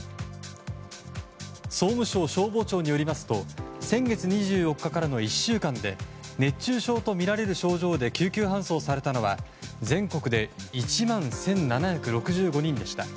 総務省消防庁によりますと先月２４日からの１週間で熱中症とみられる症状で救急搬送されたのは全国で１万１７６５人でした。